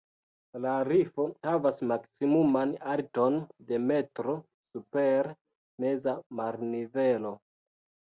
La rifo havas maksimuman alton de metro super meza marnivelo.